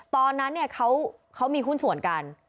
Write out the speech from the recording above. ตอนนั้นเขามีหุ้นส่วนกัน